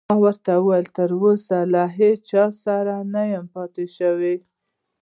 ما ورته وویل: تراوسه له هیڅ چا سره نه یم پاتې شوی.